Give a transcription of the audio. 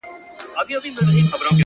چې که ته پکې دنده اخلې